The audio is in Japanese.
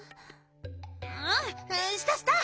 うんしたした！